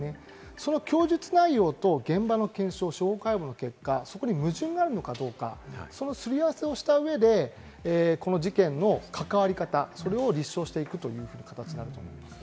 その供述内容と現場の検証、司法解剖の結果に矛盾があるのかどうか、すり合わせをした上で、この事件の関わり方、それを立証していくという形だと思います。